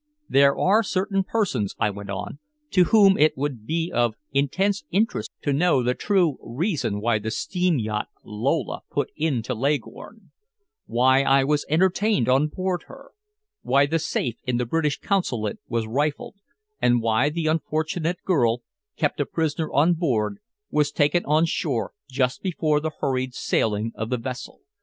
"There are certain persons," I went on, "to whom it would be of intense interest to know the true reason why the steam yacht Lola put into Leghorn; why I was entertained on board her; why the safe in the British Consulate was rifled, and why the unfortunate girl, kept a prisoner on board, was taken on shore just before the hurried sailing of the vessel.